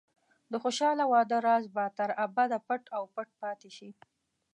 د خوشحاله واده راز به تر ابده پټ او پټ پاتې شي.